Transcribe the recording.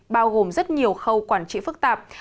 bao gồm rất nhiều khâu quản trị phức tạp